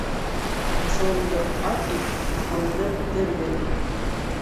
Асыуыңды ат ит, аҡылыңды теҙген ит.